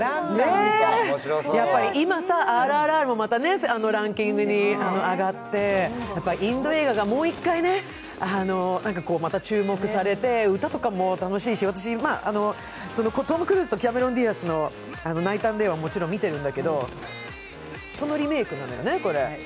やっぱり今、「ＲＲＲ」もランキングに上がってインド映画がまた注目されて、歌とかも楽しいし、私、トム・クルーズとキャメロン・ディアスの「ナイト＆デイ」ももちろん見てるんだけど、そのリメイクなのよね、これ。